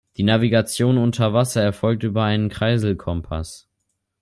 Die Navigation unter Wasser erfolgte über einen Kreiselkompass.